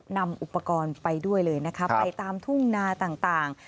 นำอุปกรณ์ไปด้วยเลยนะคะไปตามทุ่งนาต่าง